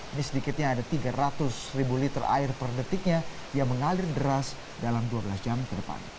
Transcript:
ini sedikitnya ada tiga ratus ribu liter air per detiknya yang mengalir deras dalam dua belas jam ke depan